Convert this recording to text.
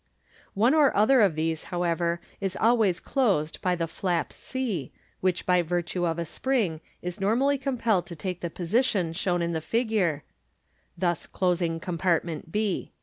One or other of these, how ever, is alwa)S closed by the flap c, which by virtue of a spring is nor mally compelled to take the position shown in the figure, thus closing compartment b.